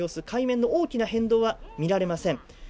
海面の大きな変動は見られません